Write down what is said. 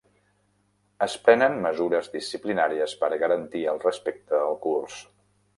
Es prenen mesures disciplinàries per garantir el respecte al curs.